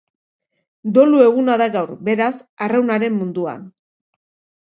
Dolu eguna da gaur, beraz, arraunaren munduan.